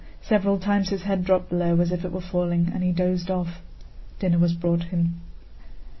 Several times his head dropped low as if it were falling and he dozed off. Dinner was brought him.